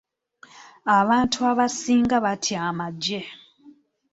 Abantu abasinga batya amagye.